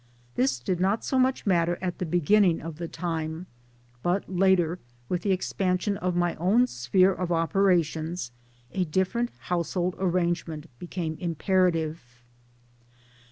This did not so much matter at the beginning of the time, but later with the expan sion of my own sphere of operations a different household arrangement became imperative.